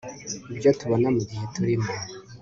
ibyo tubona mugihe turimo